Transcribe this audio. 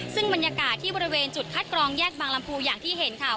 ซึ่งบรรยากาศที่บริเวณจุดคัดกรองแยกบางลำพูอย่างที่เห็นค่ะ